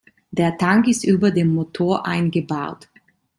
Der Tank ist über dem Motor eingebaut.